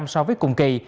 so với cùng kỳ